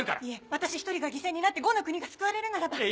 いえ私一人が犠牲になって呉の国が救われるならば。